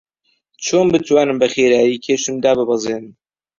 چۆن بتوانم بەخێرایی کێشم داببەزێنم؟